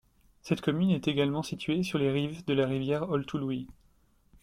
Cette commune est également située sur les rives de la rivière Oltului.